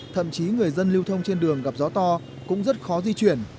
thậm chí người dân lưu thông trên đường gặp gió to cũng rất khó di chuyển